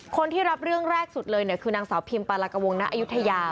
คนที่รับเรื่องแรกสุดเลยคือนางสาวพิมพ์ปรากวงณะอยุธยา